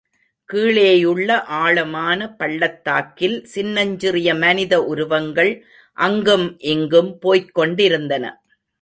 கீழேயுள்ள ஆழமான பள்ளத்தாக்கில் சின்னஞ்சிறிய மனித உருவங்கள் அங்கும் இங்கும் போய்க் கொண்டிருந்தன.